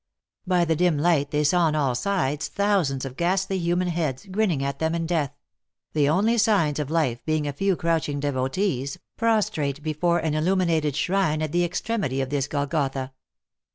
By the dim light they saw on all sides thousands of ghastly human heads, grinning at them in death ; the only signs of life being a few crouching devotees, prostrate before an illuminated shrine at the extremity of this Gol gotha.